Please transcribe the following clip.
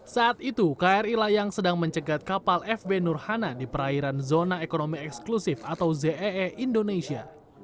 saat itu kri layang sedang mencegat kapal fb nurhana di perairan zona ekonomi eksklusif atau zee indonesia